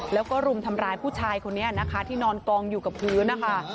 แล้วก็รุมทำร้ายผู้ชายคนนี้นะคะที่นอนกองอยู่กับพื้นนะคะ